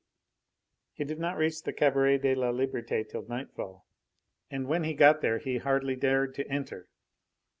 He did not reach the Cabaret de la Liberte till nightfall, and when he got there he hardly dared to enter.